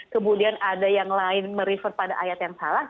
kemudian ada yang lain merefer pada ayat yang salah